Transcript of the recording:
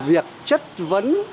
việc chất vấn